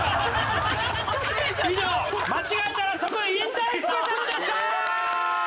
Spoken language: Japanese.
以上間違えたら即引退スペシャルでした！